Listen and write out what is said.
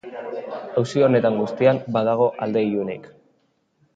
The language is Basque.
Auzi honetan guztian badago alde ilunik.